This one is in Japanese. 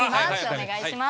お願いします。